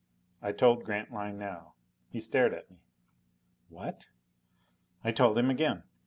I told Grantline now. He stared at me. "What!" I told him again.